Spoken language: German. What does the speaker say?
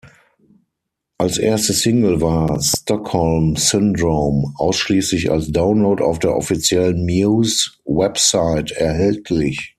Als erste Single war 'Stockholm Syndrome' ausschließlich als Download auf der offiziellen Muse-Website erhältlich.